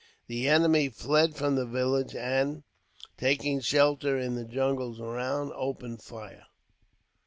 The enemy fled from the village and, taking shelter in the jungles around, opened fire.